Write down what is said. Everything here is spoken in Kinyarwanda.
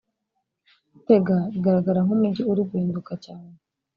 Gitega igaragara nk’umujyi uri guhinduka cyane